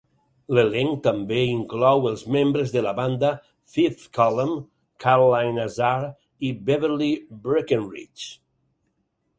L"elenc també inclou els membres de la banda Fifth Column, Caroline Azar i Beverly Breckenridge.